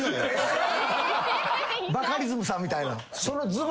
バカリズムさんみたいな。